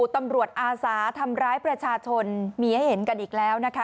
ตำรวจอาสาทำร้ายประชาชนมีให้เห็นกันอีกแล้วนะคะ